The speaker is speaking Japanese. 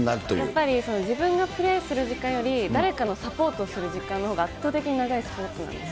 やっぱり自分がプレーする時間より、誰かをサポートする時間のほうが圧倒的に長いスポーツなんです。